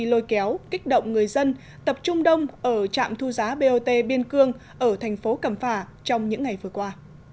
lôi kéo kích động người dân tập trung đông ở trạm thu giá bot biên cương ở tp cầm phả trong những ngày vừa qua